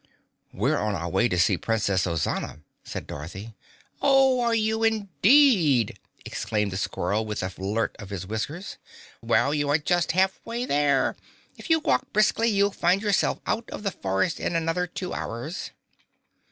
"We're on our way to see Princess Ozana," said Dorothy. "Oh, are you indeed!" exclaimed the squirrel with a flirt of his whiskers. "Well, you are just halfway there. If you walk briskly you'll find yourselves out of the forest in another two hours."